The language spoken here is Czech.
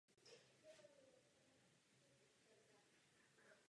Kolísání průtoku je zanedbatelné.